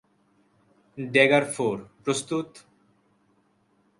Dagger four, প্রস্তুত।